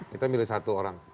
kita milih satu orang